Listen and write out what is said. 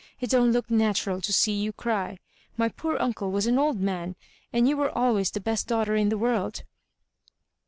It don't look natural to see you cry. My poor uncle was an old man, and you were always the best daughter in the world."